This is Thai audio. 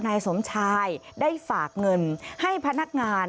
นายสมชายได้ฝากเงินให้พนักงาน